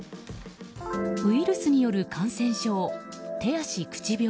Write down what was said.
ウイルスによる感染症手足口病。